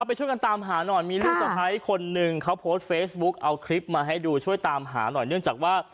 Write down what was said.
ไปช่วยกันตามหาหน่อยมีลูกสะพ้ายคนหนึ่งเขาโพสต์เฟซบุ๊กเอาคลิปมาให้ดูช่วยตามหาหน่อยเนื่องจากว่า